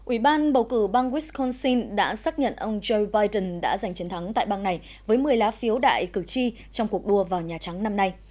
ủy ban bầu cử bang wisconsin đã xác nhận ông joe biden đã giành chiến thắng tại bang này với một mươi lá phiếu đại cử tri trong cuộc đua vào nhà trắng năm nay